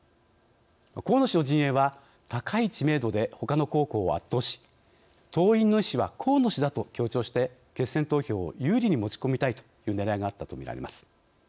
河野氏の陣営は高い知名度でほかの候補を圧倒し党員の意思は河野氏だと強調して決選投票を有利に持ち込みたいというねらいがあったとみられます。